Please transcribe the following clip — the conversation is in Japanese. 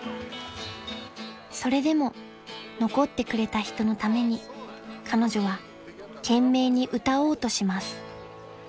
［それでも残ってくれた人のために彼女は懸命に歌おうとします］